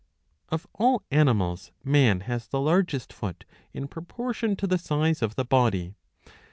Of all animals man has the largest foot in proportion to the size of the body.